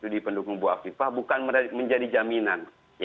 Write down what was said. di pendukung buah pipa bukan menjadi jaminan